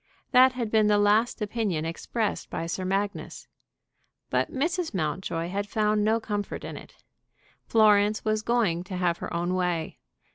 That had been the last opinion expressed by Sir Magnus. But Mrs. Mountjoy had found no comfort in it. Florence was going to have her own way.